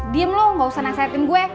diam lo gak usah nasihatin gue